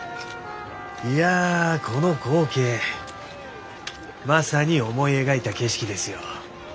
いやこの光景まさに思い描いた景色ですよ。